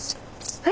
はい！